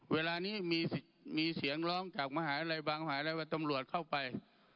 เวลานี้มีมีเสียงร้องจากมหาวิบังมหาวิบังตำรวจเข้าไป